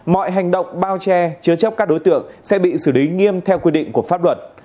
mọi hành động bao che chứa chấp các đối tượng sẽ bị xử lý nghiêm theo quy định của pháp luật